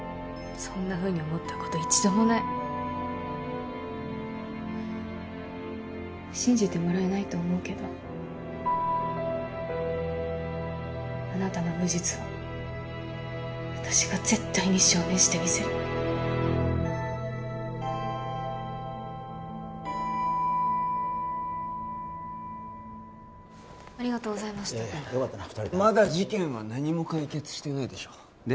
そんなふうに思ったこと一度もない信じてもらえないと思うけどあなたの無実は私が絶対に証明してみせるありがとうございましたよかったな二人でまだ事件は何も解決してないでしょで？